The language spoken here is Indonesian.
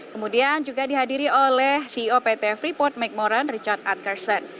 kemudian juga dihadiri oleh ceo pt freeport mike moran richard utkerson